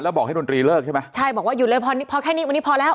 บอกให้ดนตรีเลิกใช่ไหมใช่บอกว่าหยุดเลยพอแค่นี้วันนี้พอแล้ว